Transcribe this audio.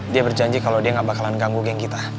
dia berjanji kalau dia gak bakalan ganggu geng kita